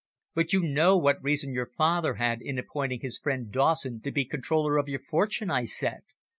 "But you know what reason your father had in appointing his friend Dawson to be controller of your fortune," I said.